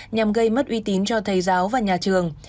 nhằm gây mất uy tín cho thầy giáo và nhà trường